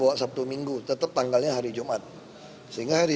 kementerian dalam negeri